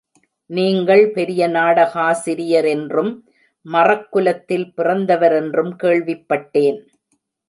நீங்கள் பெரிய நாடகாசிரியரென்றும், மறக் குலத்தில் பிறந்தவரென்றும் கேள்விப் பட்டேன்.